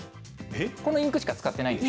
このインクしか使っていないんです。